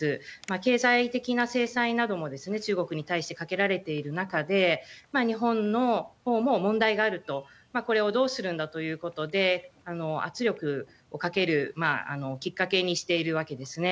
経済的な制裁なども中国に対してかけられている中で、日本のほうも問題があると、これをどうするんだということで、圧力をかけるきっかけにしているわけですね。